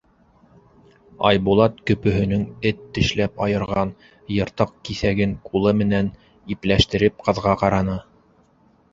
Айбулат көпөһөнөң эт тешләп айырған йыртыҡ киҫәген ҡулы менән ипләштереп ҡыҙға ҡараны.